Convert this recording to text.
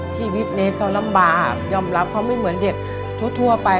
ชีวิตเนสเขาลำบากยอมรับเขาไม่เหมือนเด็กทั่วไป